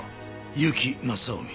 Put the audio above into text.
結城正臣。